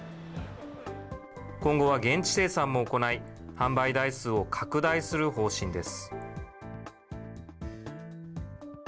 今後は現地生産も行い、販売台数を拡大する方針です。